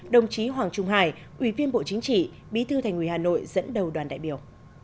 đồng chí hoàng trung hải ủy viên bộ chính trị bí thư thành ủy hà nội dẫn đầu đoàn đại biểu